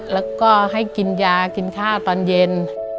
แล้วก็ให้กินยากินข้าวตอนเย็น